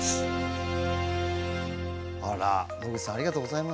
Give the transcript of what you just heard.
野口さんありがとうございます。